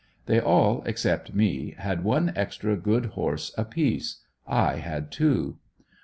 They all, except me, had one extra good horse apiece; I had two.